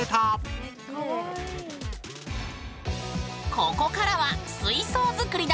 ここからは水槽作りだ。